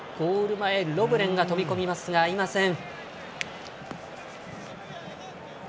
前ロブレンが飛び込みますが合いません。